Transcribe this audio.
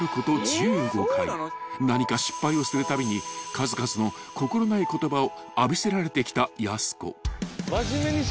［何か失敗をするたびに数々の心ない言葉を浴びせられてきたやす子］